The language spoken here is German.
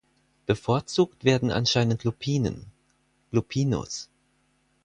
Bevorzugt werden anscheinend Lupinen ("Lupinus").